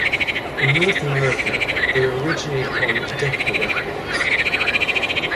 In North America, they were originally on Decca Records.